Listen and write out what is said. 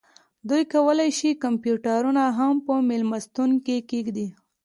دوی کولی شي کمپیوټرونه هم په میلمستون کې کیږدي